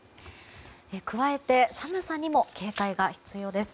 加えて寒さにも警戒が必要です。